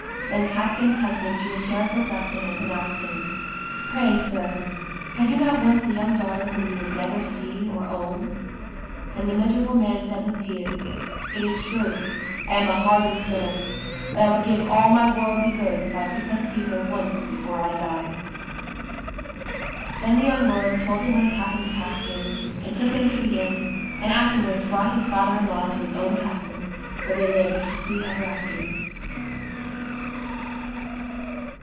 Then Catskin's husband drew a chair close up to him, and asked him, " Pray, sir, had you not once a young daughter whom you would never see or own ?" And the miserable man said with tears, "It is true; I am a hardened sinner. But I would give all my worldly goods if I could but see her once before I die." Then the young lord told him what had happened to Catskin, and took him to the inn, and afterwards brought his father in law to his own castle, where they lived happy ever afterwards.